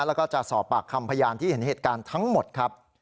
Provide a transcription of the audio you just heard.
แล้วก็จะสอบปากคำพยานที่เห็นเหตุการณ์ทั้งหมดครับ